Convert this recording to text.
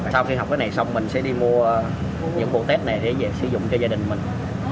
sau khi học cái này xong mình sẽ đi mua những bộ test này để sử dụng cho gia đình mình